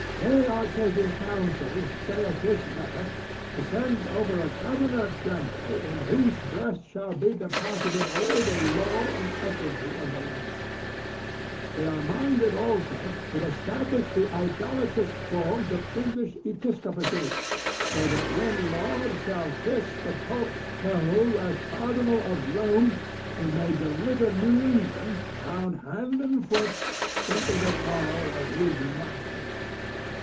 They are taking counsel, saith this letter, to send over a governor general in whose breast shall be deposited all the law and equity of the land. They are minded, also, to establish the idolatrous forms of English episcopacy; so that when Laud shall kiss the pope's toe as cardinal of Rome he may deliver New England, bound hand and foot, into the power of his master."